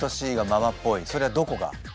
それはどこが？